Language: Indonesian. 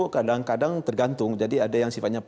kadang kadang tergantung jadi ada yang sifatnya